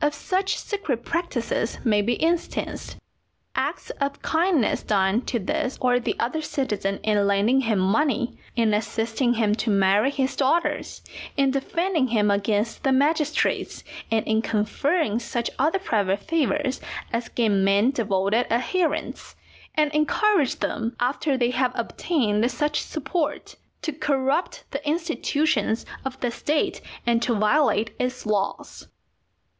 Of such secret practices may be instanced, acts of kindness done to this or the other citizen in lending him money, in assisting him to marry his daughters, in defending him against the magistrates, and in conferring such other private favours as gain men devoted adherents, and encourage them after they have obtained such support, to corrupt the institutions of the State and to violate its laws.